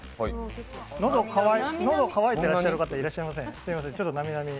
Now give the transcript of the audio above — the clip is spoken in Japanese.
喉が渇いていらっしゃる方いらっしゃいません？